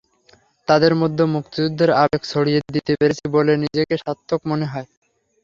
তাদের মধ্যে মুক্তিযুদ্ধের আবেগ ছড়িয়ে দিতে পেরেছি বলে নিজেকে স্বার্থক মনে হয়।